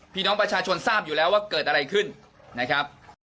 พี่น้องประชาชนทราบอยู่แล้วว่าเกิดอะไรขึ้นนะครับ